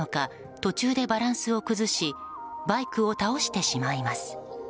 途中でバランスを崩しバイクを倒してしまいます。